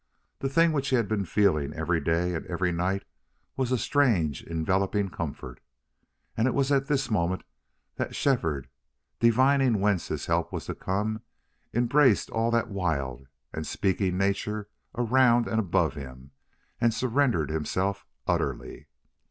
The thing which he had been feeling every day and every night was a strange enveloping comfort. And it was at this moment that Shefford, divining whence his help was to come, embraced all that wild and speaking nature around and above him and surrendered himself utterly.